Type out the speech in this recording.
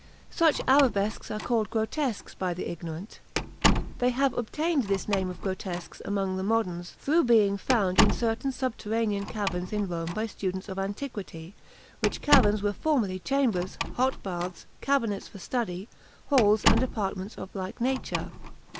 Such arabesques are called grotesques by the ignorant. They have obtained this name of grotesques among the moderns through being found in certain subterranean caverns in Rome by students of antiquity; which caverns were formerly chambers, hot baths, cabinets for study, halls, and apartments of like nature.